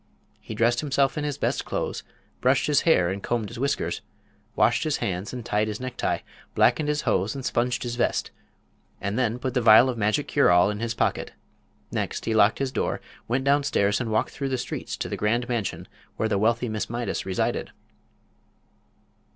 He dressed himself in his best clothes, brushed his hair and combed his whiskers, washed his hands and tied his necktie, blackened his shoes and sponged his vest, and then put the vial of magic cure all in his pocket. Next he locked his door, went downstairs and walked through the streets to the grand mansion where the wealthy Miss Mydas resided.